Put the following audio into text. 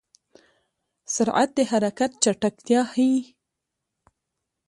سرعت د حرکت چټکتیا ښيي.